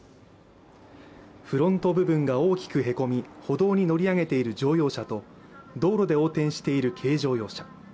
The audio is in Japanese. フロント部分が大きくへこみ、歩道に乗り上げている乗用車と道路で横転している軽乗用車。